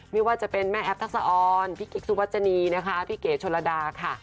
ไม่ว่าจะเป็นแม่แอฟทักษะออนพี่กิ๊กสุวัชนีนะคะพี่เก๋ชนระดาค่ะ